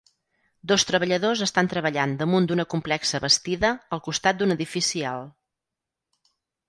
Dos treballadors estan treballant damunt d'una complexa bastida al costat d'un edifici alt